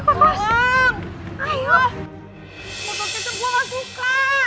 botol kecap gua gak suka